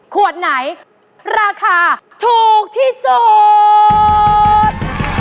ขวดไหนราคาถูกที่สุด